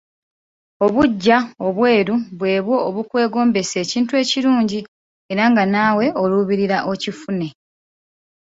Obuggya obweru bw'ebo obukwegombesa ekintu ekirungi era nga naawe olubirira okifune.